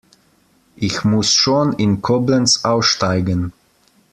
Ich muss schon in Koblenz aussteigen